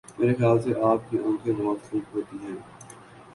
میری خیال سے آپ کی آنکھیں بہت خوب ہوتی ہیں.